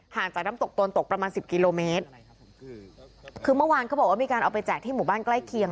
จากน้ำตกตนตกประมาณสิบกิโลเมตรคือเมื่อวานเขาบอกว่ามีการเอาไปแจกที่หมู่บ้านใกล้เคียง